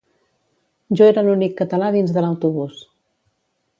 Jo era l'únic català dins de l'autobús